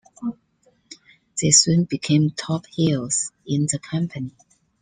They soon became top heels in the company.